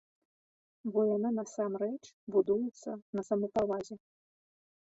Бо яна насамрэч будуецца на самапавазе.